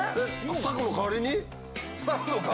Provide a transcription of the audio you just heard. スタッフの代わりにですよ